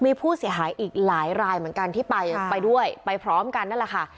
มีผู้เสียหายอีกหลายรายเหมือนกันที่ไปไปด้วยไปพร้อมกันนั่นแหละค่ะ